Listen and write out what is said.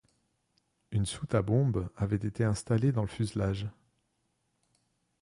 Une soute à bombes avait été installée dans le fuselage.